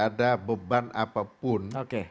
ada beban apapun